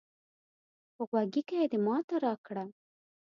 غوږيکې دې ماته راکړه